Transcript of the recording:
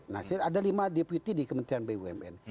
nasir ada lima deputi di kementerian bumn